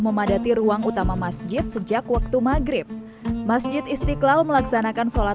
memadati ruang utama masjid sejak waktu maghrib masjid istiqlal melaksanakan sholat